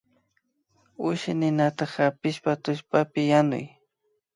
Ushi ninata hapichishpa tullpapi yanuy